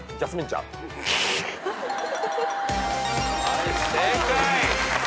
はい正解。